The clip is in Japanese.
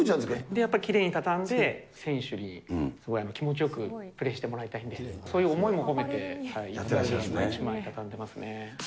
やっぱりきれいに畳んで、選手にすごい気持ちよくプレーしてもらいたいんで、そういう思いも込めて畳んでますね。